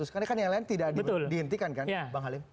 karena kan yang lain tidak dihentikan kan bang halim